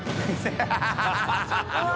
ハハハ